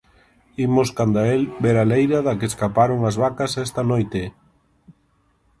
Imos canda el ver a leira da que escaparon as vacas esta noite.